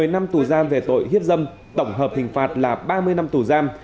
một mươi năm tù giam về tội hiếp dâm tổng hợp hình phạt là ba mươi năm tù giam